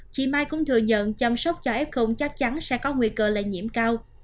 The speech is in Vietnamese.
chị mai cũng thừa nhận chăm sóc cho f chắc chắn sẽ có nguy cơ lây nhiễm cao